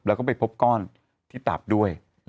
แล้วก็ไปพบก้อนที่ตับด้วย